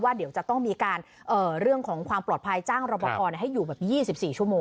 เดี๋ยวจะต้องมีการเรื่องของความปลอดภัยจ้างรอปภให้อยู่แบบ๒๔ชั่วโมง